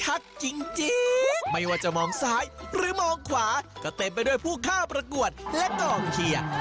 จริงไม่ว่าจะมองซ้ายหรือมองขวาก็เต็มไปด้วยผู้เข้าประกวดและกองเชียร์